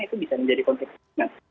itu bisa menjadi konsep kepentingan